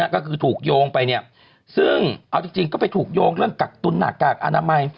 ก็คือถูกโยงไปเนี่ยซึ่งเอาจริงก็ไปถูกโยงเรื่องกักตุนหน้ากากอนามัย